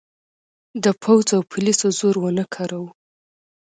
د پوځ او پولیسو زور ونه کاراوه.